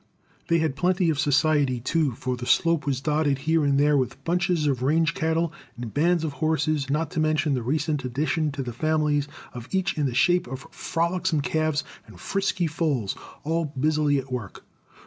They had plenty of society, too, for the slope was dotted here and there with bunches of range cattle and bands of horses, not to mention the recent additions to the families of each in the shape of frolicsome calves and frisky foals, all busily at work.